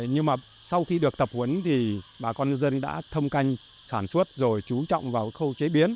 nhưng mà sau khi được tập huấn thì bà con nhân dân đã thâm canh sản xuất rồi chú trọng vào khâu chế biến